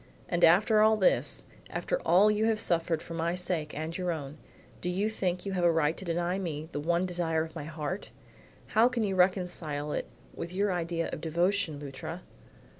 "And after all this, after all you have suffered for my sake and your own, do you think you have a right to deny me the one desire of my heart? How can you reconcile it with your ideas of devotion, Luttra?"